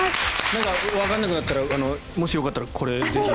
何かわからなくなったらもしよかったらこれをぜひ。